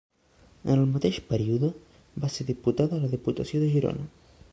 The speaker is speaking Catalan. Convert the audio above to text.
En el mateix període, va ser diputada a la Diputació de Girona.